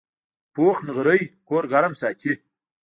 پوخ نغری کور ګرم ساتي